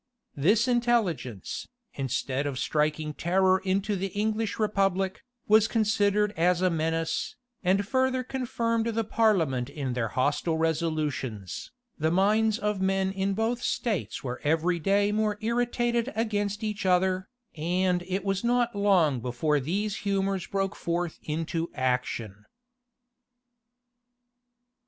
This intelligence, instead of striking terror into the English republic, was considered as a menace, and further confirmed the parliament in their hostile resolutions. The minds of men in both states were every day more irritated against each other; and it was not long before these humors broke forth into action.